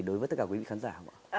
đối với tất cả quý vị khán giả không ạ